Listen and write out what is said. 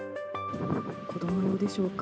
子供用でしょうか。